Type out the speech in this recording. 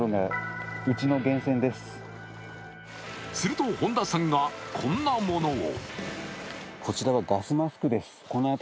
すると本田さんがこんなものを。